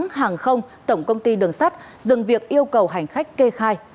các hãng không tổng công ty đường sắt dừng việc yêu cầu hành khách kê khai